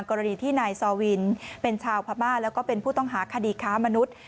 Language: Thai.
กรณีที่นายซอวินเป็นชาวพม่าแล้วก็เป็นผู้ต้องหาคดีค้ามนุษย์